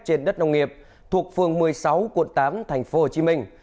trên đất nông nghiệp thuộc phường một mươi sáu quận tám thành phố hồ chí minh